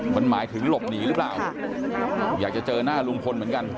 มันหมายถึงหลบหนีหรือเปล่าอยากจะเจอหน้าลุงพลเหมือนกัน